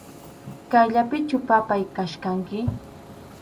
Kayllapichu, papáy, kachkanki.